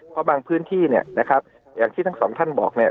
เพราะบางพื้นที่เนี่ยนะครับอย่างที่ทั้งสองท่านบอกเนี่ย